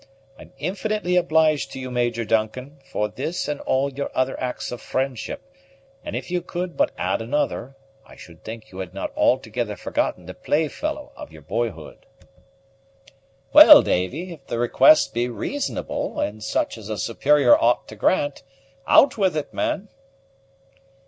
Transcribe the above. I'm infinitely obliged to you, Major Duncan, for this and all your other acts of friendship; and if you could but add another, I should think you had not altogether forgotten the play fellow of your boyhood." "Well, Davy, if the request be reasonable, and such as a superior ought to grant, out with it, man."